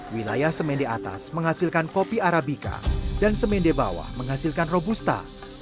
wilayah semendir atas menghasilkan kopi arabika dan semendir bawah menghasilkan robusta